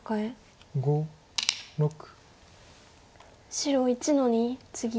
白１の二ツギ。